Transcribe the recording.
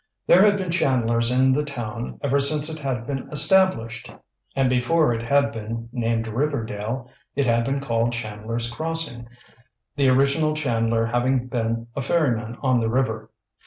There had been Chandlers in the town ever since it had been established, and before it had been named Riverdale it had been called Chandler's Crossing, the original Chandler having been a ferryman on the river.